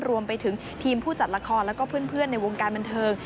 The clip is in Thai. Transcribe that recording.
รวมไปถึงทีมผู้จัดละครแล้วก็เพื่อนในวงการบันเทิง